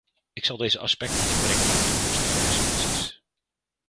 Ik zal deze aspecten inbrengen bij toekomstige resoluties.